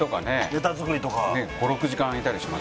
ネタ作りとか！